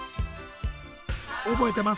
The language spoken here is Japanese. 覚えてます？